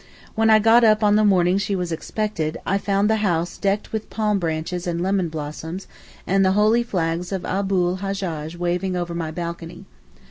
When I got up on the morning she was expected, I found the house decked with palm branches and lemon blossoms, and the holy flags of Abu l Hajjaj waving over my balcony.